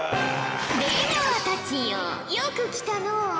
出川たちよよく来たのう。